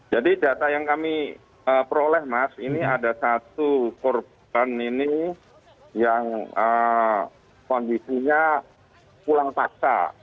jadi data yang kami peroleh mas ini ada satu korban ini yang kondisinya pulang paksa